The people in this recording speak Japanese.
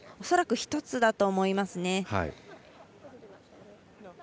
恐らく１つだと思いますね。